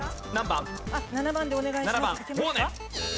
７番でお願いします。